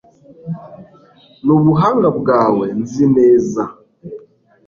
Nubuhanga bwawe nzi neza